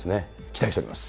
期待しております。